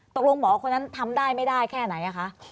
ตกลงหมอคนนั้นทำได้ไม่ได้แค่ไหนคะ